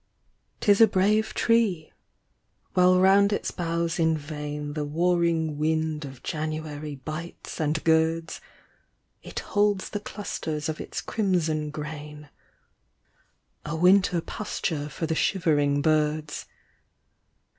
'Tis a brave tree. While round its boughs in vain The warring wind of January bites and girds. It holds the clusters of its crimson grain, A winter pasture for the shivering birds.